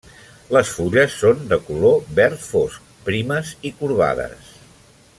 Les fulles són de color verd fosc, primes i corbades.